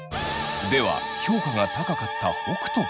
では評価が高かった北斗。